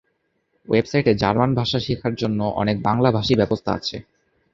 ওয়েবসাইটে জার্মান ভাষা শেখার জন্য অনেক বাংলাভাষী ব্যবস্থা আছে।